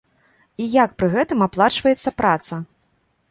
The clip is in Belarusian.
І як пры гэтым аплачваецца праца?